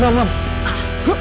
kau tak bisa menang